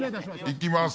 いきます。